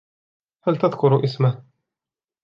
هل تذكر اسمه ؟